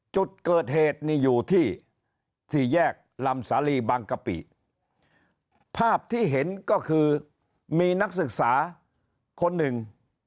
จุดเกิดเหตุนี่อยู่ที่สี่แยกลำสาลีบางกะปิภาพที่เห็นก็คือมีนักศึกษาคนหนึ่ง